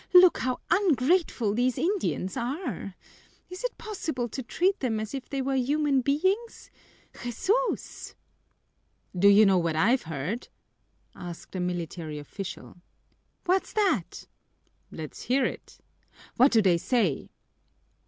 "Look how ungrateful these Indians are! Is it possible to treat them as if they were human beings? Jesús!" "Do you know what I've heard?" asked a military official. "What's that?" "Let's hear it!" "What do they say?"